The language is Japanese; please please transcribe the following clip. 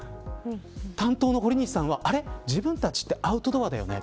担当の堀西さんは自分達って、アウトドアだよね。